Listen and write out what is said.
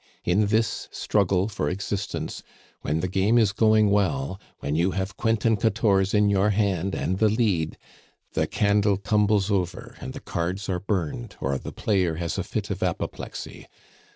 In this struggle for existence, when the game is going well when you have quint and quartorze in your hand and the lead the candle tumbles over and the cards are burned, or the player has a fit of apoplexy!